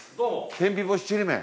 天日干しちりめん？